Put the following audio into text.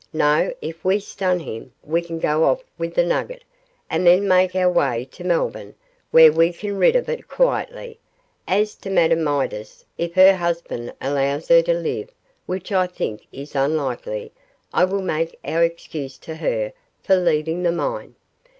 No, if we stun him we can go off with the nugget, and then make our way to Melbourne, where we can get rid of it quietly. As to Madame Midas, if her husband allows her to live which I think is unlikely I will make our excuses to her for leaving the mine.